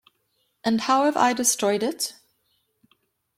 And how have I destroyed it?